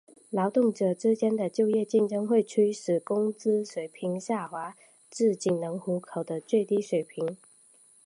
劳动者之间的就业竞争会驱使工资水平下滑至仅能糊口的最低水平。